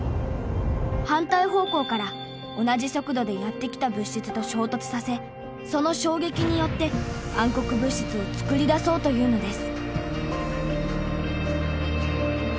反対方向から同じ速度でやって来た物質と衝突させその衝撃によって暗黒物質を創り出そうというのです。